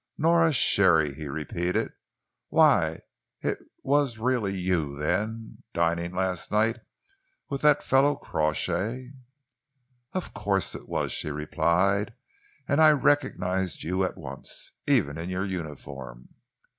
"Nora Sharey!" he repeated. "Why, it was really you, then, dining last night with that fellow Crawshay?" "Of course it was," she replied, "and I recognised you at once, even in your uniform."